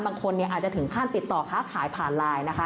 บางคนอาจจะถึงขั้นติดต่อค้าขายผ่านไลน์นะคะ